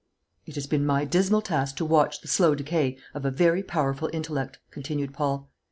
"It has been my dismal task to watch the slow decay of a very powerful intellect," continued Paul.